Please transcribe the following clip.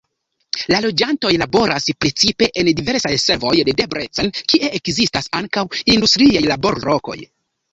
La loĝantoj laboras precipe en diversaj servoj de Debrecen, kie ekzistas ankaŭ industriaj laborlokoj.